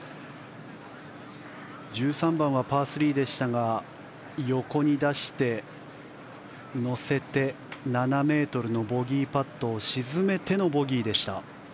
１３番はパー３でしたが横に出して、乗せて７ｍのボギーパットを沈めてのボギーでした。